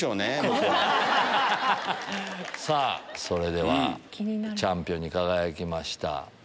それではチャンピオンに輝きました